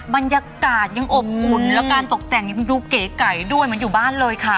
บรรยากาศยังอบอุ่นแล้วการตกแต่งยังดูเก๋ไก่ด้วยเหมือนอยู่บ้านเลยค่ะ